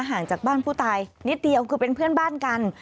ห่างจากบ้านผู้ตายนิดเดียวคือเป็นเพื่อนบ้านกัน